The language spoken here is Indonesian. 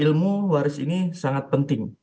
ilmu waris ini sangat penting